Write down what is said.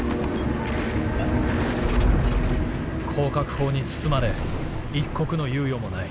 「高角砲に包まれ一刻の猶予もない。